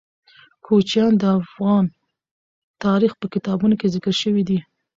کوچیان د افغان تاریخ په کتابونو کې ذکر شوی دي.